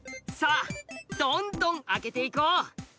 さあどんどん開けていこう！